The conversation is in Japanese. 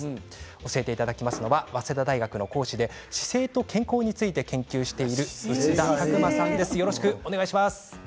教えていただきますのは早稲田大学の講師で姿勢と健康について研究している碓田拓磨さんです。